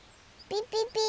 ピピピピ。